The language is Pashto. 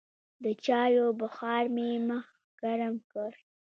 د چايو بخار مې مخ ګرم کړ.